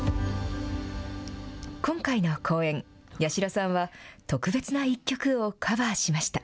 今回の公演、八代さんは特別な一曲をカバーしました。